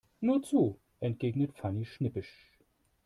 Nur zu, entgegnet Fanny schnippisch.